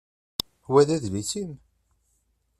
Wa d adlis-im?